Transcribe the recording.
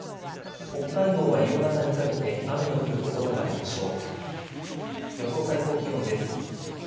北海道は夕方にかけて雨の降る所があるでしょう。